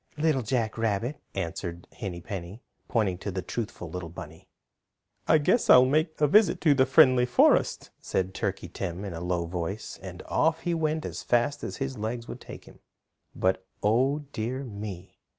"Little Jack Rabbit," answered Henny Penny, pointing to the truthful little bunny. "I guess I'll make a visit in the Friendly Forest," said Turkey Tim in a low voice, and off he went as fast as his legs would take him. But, Oh dear me!